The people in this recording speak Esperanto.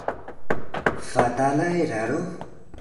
Fatala eraro?